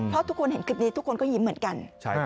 เพราะทุกคนเห็นคลิปนี้ทุกคนก็ยิ้มเหมือนกัน